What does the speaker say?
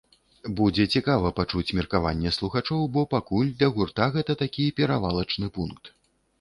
Будзе цікава пачуць меркаванне слухачоў, бо пакуль для гурта гэта такі перавалачны пункт.